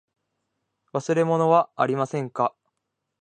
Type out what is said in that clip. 忘れ物はありませんか。